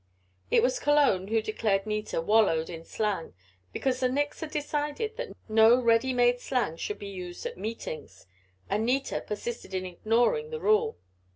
It was Cologne who declared Nita "wallowed" in slang, because the Nicks had decided that no ready made slang should be used at meetings, and Nita persisted in ignoring the rule.